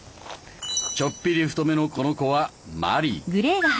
ちょぴり太めのこの子はマリー。